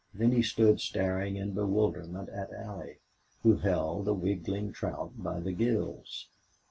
Then he stood staring in bewilderment at Allie, who held the wriggling trout by the gills.